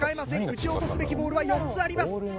打ち落とすべきボールは４つあります。